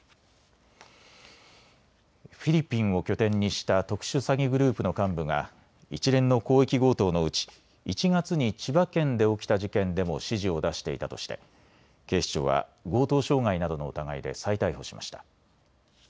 フィリピンを拠点にした特殊詐欺グループの幹部が一連の広域強盗のうち１月に千葉県で起きた事件でも指示を出していたとして警視庁は強盗傷害などの疑いで再逮捕しました。